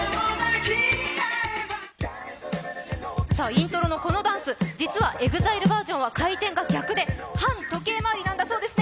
イントロのこのダンス、実はＥＸＩＬＥバージョンは回転が逆で反時計回りなんだそうです。